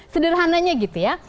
sederhananya gitu ya